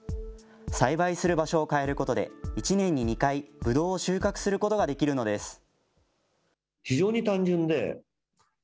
栽培する場所を変えることで、１年に２回、ぶどうを収穫することができるのです。